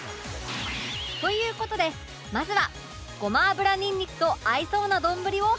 という事でまずはごま油にんにくと合いそうな丼を発表！